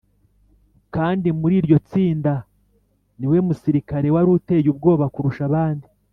kandi muri iryo tsinda ni we musirikare wari uteye ubwoba kurusha abandi